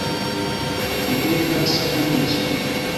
Mi devas puniĝi.